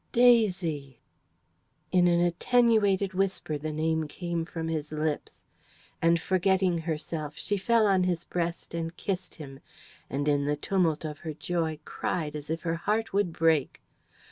"Daisy!" In an attenuated whisper the name came from his lips. And, forgetting herself, she fell on his breast and kissed him, and in the tumult of her joy cried as if her heart would break.